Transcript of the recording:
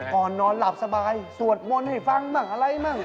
ก่อนนอนหลับสบายสวดม้นให้ฟังบ้างอะไรบ้าง